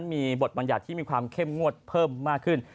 จะมีบทบัญญาณความแข้มงวดเพิ่มมากขึ้น